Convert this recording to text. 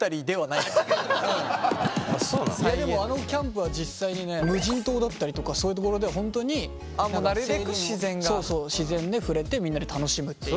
いやでもあのキャンプは実際にね無人島だったりとかそういう所で本当に自然に触れてみんなで楽しむっていう。